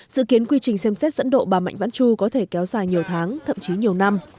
dự kiến quy trình xem xét dẫn độ bà mạnh vãn chu có thể kéo dài nhiều tháng thậm chí nhiều năm